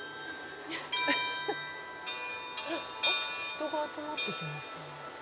「人が集まってきましたね」